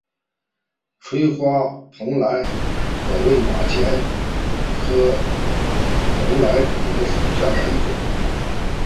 垂花蓬莱葛为马钱科蓬莱葛属下的一个种。